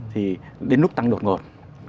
thì đến lúc tăng đột ngột